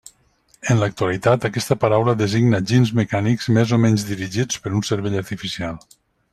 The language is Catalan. En l’actualitat aquesta paraula designa ginys mecànics més o menys dirigits per un cervell artificial.